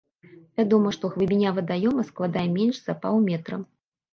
Вядома, што глыбіня вадаёма складае менш за паўметра.